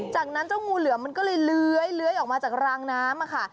จากนั้นเจ้างูเหลือมมันก็เลยเลื้อยออกมาจากรางน้ำค่ะ